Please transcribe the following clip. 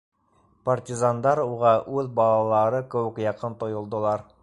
Партизандар уға үҙ балалары кеүек яҡын тойолдолар.